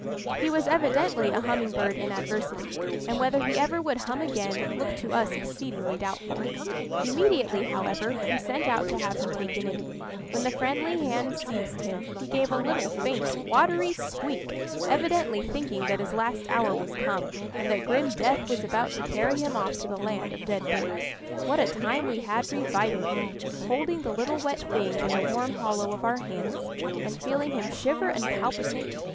He was evidently a humming bird in adversity, and whether he ever would hum again looked to us exceedingly doubtful. Immediately, however, we sent out to have him taken in. When the friendly hand seized him, he gave a little, faint, watery squeak, evidently thinking that his last hour was come, and that grim death was about to carry him off to the land of dead birds. What a time we had reviving him,—holding the little wet thing in the warm hollow of our hands, and feeling him shiver and palpitate!